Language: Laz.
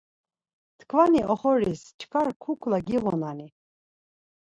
Tkvani oxoris çkar kukla giğunani?